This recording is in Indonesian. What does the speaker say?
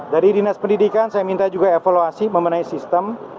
dari dinas pendidikan saya minta juga evaluasi memenai sistem